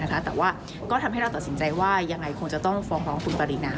แต่ว่าก็ทำให้เราตัดสินใจว่ายังไงคงจะต้องฟ้องร้องคุณปรินา